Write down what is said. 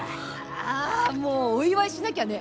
ああもうお祝いしなきゃね。